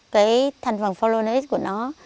cái thành phần folonase của nó